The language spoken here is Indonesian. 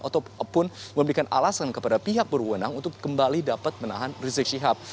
ataupun memberikan alasan kepada pihak berwenang untuk kembali dapat menahan rizik syihab